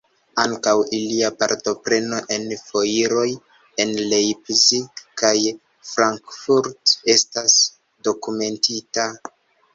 Ankaŭ ilia partopreno en foiroj en Leipzig kaj Frankfurt estas dokumentita.